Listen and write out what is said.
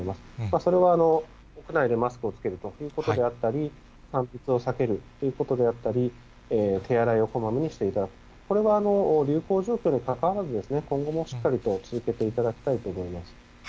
それは、屋内でマスクを着けるということであったり、３密を避けるということであったり、手洗いをこまめにしていただく、これは流行状況にかかわらず、今後もしっかりと続けていただきたいと思います。